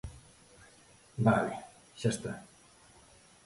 Vale, xa está.